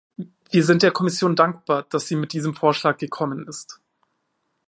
Wir sind der Kommission dankbar, dass sie mit diesem Vorschlag gekommen ist.